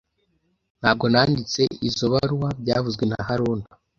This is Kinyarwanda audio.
Ntabwo nanditse izoi baruwa byavuzwe na haruna